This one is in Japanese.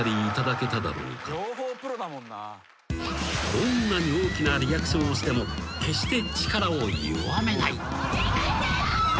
［どんなに大きなリアクションをしても決して力を弱めない］